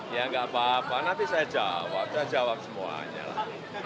ya nggak apa apa nanti saya jawab saya jawab semuanya lah